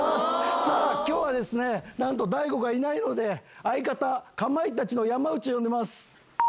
さあ、きょうはですね、なんと大悟がいないので、相方、かまいたちの山内を呼んでます。